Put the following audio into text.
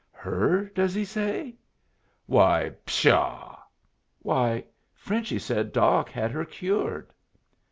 "Her, does he say?" "Why, pshaw!" "Why, Frenchy said Doc had her cured!"